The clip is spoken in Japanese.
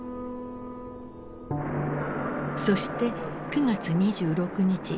そして９月２６日。